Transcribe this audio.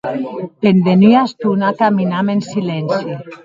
Pendent ua estona caminam en silenci.